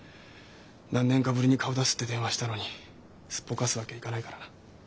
何年かぶりに顔出すって電話したのにすっぽかすわけいかないからな。